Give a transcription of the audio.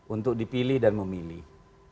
untuk dipilih dan memilih